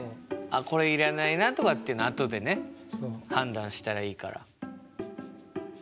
あっこれいらないなとかっていうのはあとでね判断したらいいから。